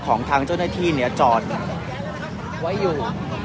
ของทางเจ้าหน้าที่เนี่ยจอดไว้อยู่